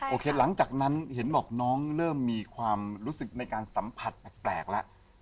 หลังจากนั้นเห็นบอกน้องเริ่มมีความรู้สึกในการสัมผัสแปลกแล้ว